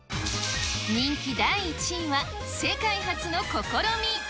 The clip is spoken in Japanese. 人気第１位は、世界初の試み。